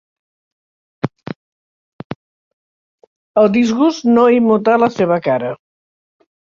El disgust no immutà la seva cara.